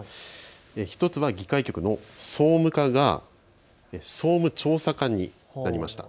１つは議会局の総務課が総務調査課になりました。